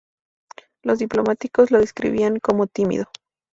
Los diplomáticos lo describían como tímido.